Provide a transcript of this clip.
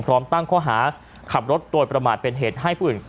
พร้อมตั้งข้อหาขับรถโดยประมาทเป็นเหตุให้ผู้อื่น